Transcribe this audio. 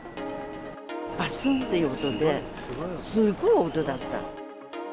ばすーんという音で、すごい音だった。